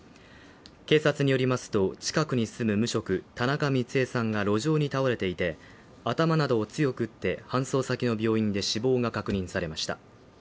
警察によりますと近くに住む無職田中ミツエさんが路上に倒れていて、頭などを強く打って、搬送先の病院で死亡が確認されました。